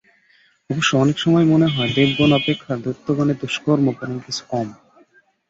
অবশ্য অনেক সময়ই মনে হয়, দেবগণ অপেক্ষা দৈত্যগণের দুষ্কর্ম বরং কিছু কম।